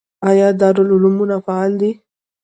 آیا دارالعلومونه فعال دي؟